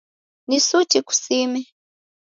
Ni suti kusime.